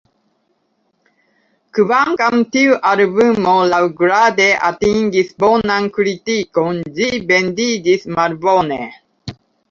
Kvankam tiu albumo laŭgrade atingis bonan kritikon, ĝi vendiĝis malbone.